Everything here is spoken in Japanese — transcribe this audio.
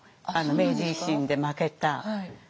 明治維新で負けた。